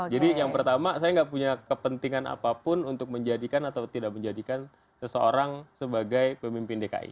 jadi yang pertama saya nggak punya kepentingan apapun untuk menjadikan atau tidak menjadikan seseorang sebagai pemimpin dki